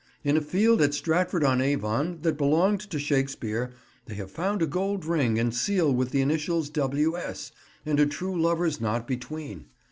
In a field at Stratford on Avon, that belonged to Shakespeare, they have found a gold ring and seal with the initials 'W.S.,' and a true lover's knot between.